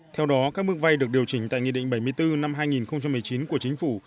theo đó các mức vay được điều chỉnh tại nghị định bảy mươi bốn năm hai nghìn một mươi chín của chính phủ